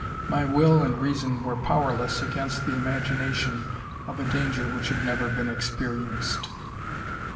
My will and reason were powerless against the imagination of a danger which had never been experienced.